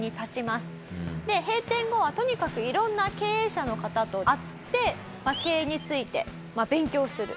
で閉店後はとにかく色んな経営者の方と会って経営について勉強する。